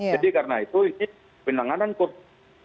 jadi karena itu ini penanganan covid sembilan belas